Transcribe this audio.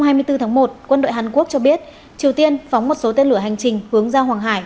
hôm hai mươi bốn tháng một quân đội hàn quốc cho biết triều tiên phóng một số tên lửa hành trình hướng ra hoàng hải